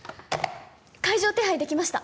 会場手配できました